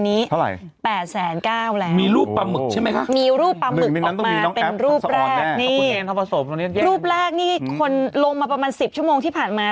อิสธีไวท์สปาโรเซ